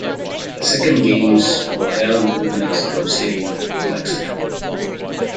The second games were held in Mexico City, Mexico.